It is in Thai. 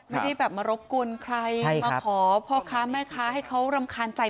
ไม่ได้แบบมารบกวนใครมาขอพ่อค้าแม่ค้าให้เขารำคาญใจ